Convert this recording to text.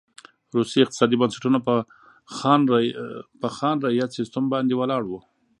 روسي اقتصادي بنسټونه په خان رعیت سیستم باندې ولاړ و.